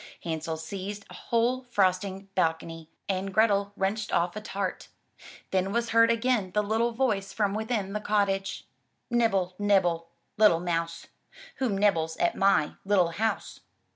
Hansel seized a whole frost ing balcony and Grethel wrenched off a tart. Then was heard again the little voice from within the cottage: "Nibble, nibble, Uttle mouse, Who nibbles at my little house?''